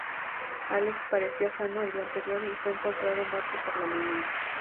Alex parecía sano el día anterior y fue encontrado muerto por la mañana.